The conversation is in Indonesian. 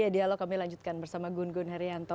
ya dialog kami lanjutkan bersama gun gun haryanto